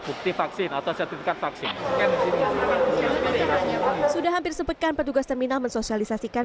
bukti vaksin atau sertifikat vaksin sudah hampir sepekan petugas terminal mensosialisasikan